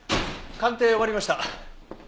鑑定終わりました。